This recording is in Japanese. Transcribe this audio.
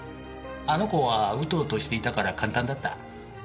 あの子はうとうとしていたから簡単だった。